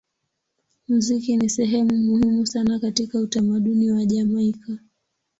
Muziki ni sehemu muhimu sana katika utamaduni wa Jamaika.